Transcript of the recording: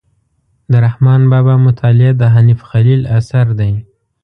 د رحمان بابا مطالعه د حنیف خلیل اثر دی.